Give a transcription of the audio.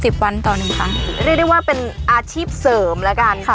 วันต่อหนึ่งค่ะเรียกได้ว่าเป็นอาชีพเสริมแล้วกันค่ะ